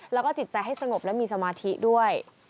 แล้วก็จิตใจให้สงบและมีสมาธิด้วย